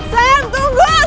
sam tunggu sam